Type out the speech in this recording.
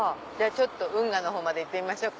運河まで行ってみましょうか。